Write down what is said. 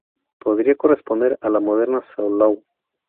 Podría corresponder a la moderna Salou.